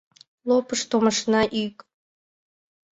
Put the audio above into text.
Лопышто машина йӱк.